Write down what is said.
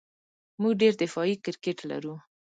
موږ ډېر دفاعي کرېکټ وکړ.